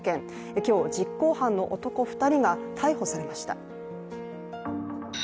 今日実行犯の男２人が逮捕されました。